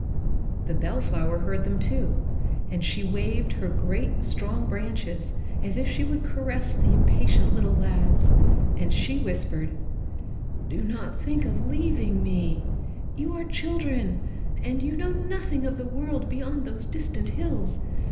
The bellflower tree heard them, too, and she waved her great, strong branches as if she would caress the impatient little lads, and she whispered: "Do not think of leaving me: you are children, and you know nothing of the world beyond those distant hills.